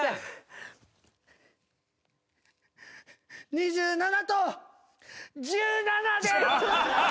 ２７と１７です！